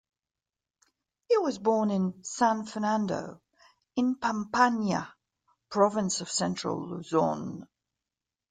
He was born in San Fernando, in Pampanga province of central Luzon.